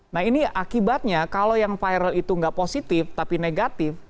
nah ini akibatnya kalau yang viral itu nggak positif tapi negatif